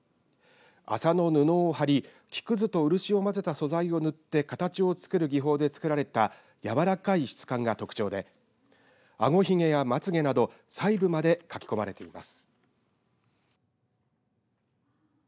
麻の布を張り木くずと漆を混ぜた素材を塗って形を作る技法で作られたやわらかい質感が特徴であごひげやまつげなど細部まで描き込まれています。